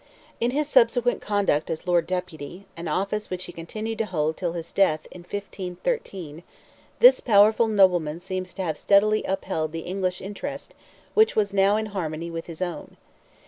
In his subsequent conduct as Lord Deputy, an office which he continued to hold till his death in 1513, this powerful nobleman seems to have steadily upheld the English interest, which was now in harmony with his own.